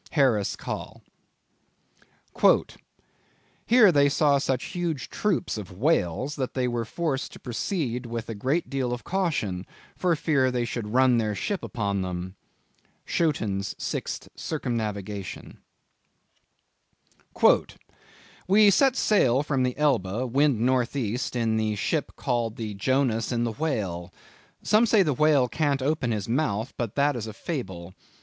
Harris Coll_. "Here they saw such huge troops of whales, that they were forced to proceed with a great deal of caution for fear they should run their ship upon them." —Schouten's Sixth Circumnavigation. "We set sail from the Elbe, wind N.E. in the ship called The Jonas in the Whale.... Some say the whale can't open his mouth, but that is a fable....